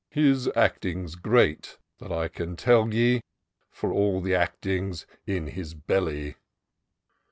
" His acting's great — that I can tell ye ; For all the acting's in his belly.'